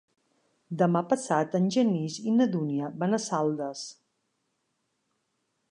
Demà passat en Genís i na Dúnia van a Saldes.